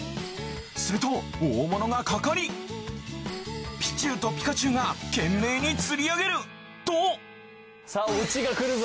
すると大物がかかりピチューとピカチュウが懸命に釣り上げる！とさぁオチがくるぞ！